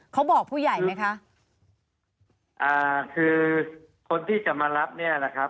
เขาบอกผู้ใหญ่ไหมคะอ่าคือคนที่จะมารับเนี่ยนะครับ